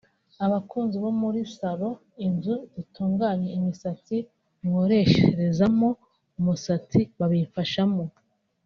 Abakozi bo muri salon(inzu zitunganya imisatsi) nkoresherezamo umusatsi babimfashamo”